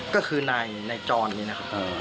ก็คือนายจรนี่นะครับ